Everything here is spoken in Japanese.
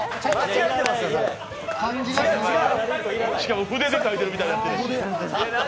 しかも筆で書いてるみたいになってるし。